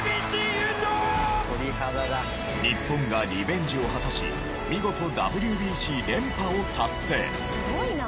日本がリベンジを果たし見事ＷＢＣ連覇を達成。